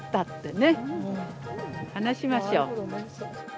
ってね、話しましょう。